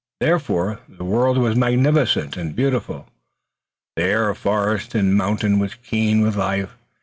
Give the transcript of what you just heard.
Therefore, the world was magnificent and beautiful. The air of forest and mountain was keen with life.